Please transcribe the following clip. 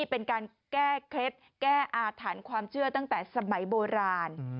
เป็นการแก้เคล็ดแก้อาถรรพ์ความเชื่อตั้งแต่สมัยโบราณ